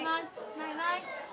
「バイバイ」。